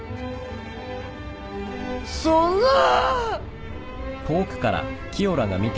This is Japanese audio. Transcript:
そんなー！